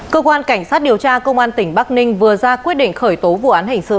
cơ quan cảnh sát điều tra công an tỉnh bắc ninh vừa ra quyết định khởi tố vụ án hình sự